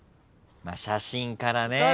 まあ写真からね。